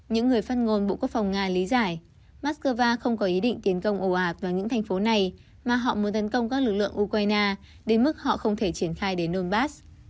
những người phát ngôn bộ quốc phòng nga lý giải moscow không có ý định tiến công ồ ạt vào những thành phố này mà họ muốn tấn công các lực lượng ukraine đến mức họ không thể triển khai đến nonbass